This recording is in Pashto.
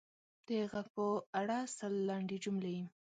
د ږغ په اړه سل لنډې جملې: